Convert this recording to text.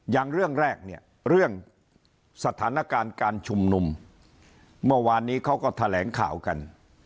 อย่างเรื่องแรกเนี่ยเรื่องสถานการณ์การชุมนุมเมื่อวานนี้เขาก็แถลงข่าวกัน